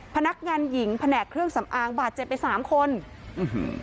พนักงานหญิงแผนกเครื่องสำอางบาดเจ็บไปสามคนอื้อหือ